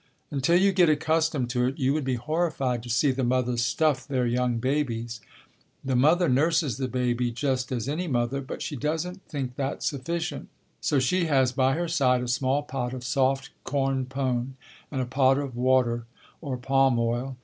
Until you get accustomed to it you would be horrified to see the mothers stuff their young babies. The mother nurses the baby just as any mother, but she doesn't think that sufficient. So she has by her side a small pot of soft corn pone and a pot of water or palm oil.